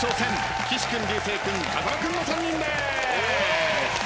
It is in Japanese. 岸君流星君風間君の３人です。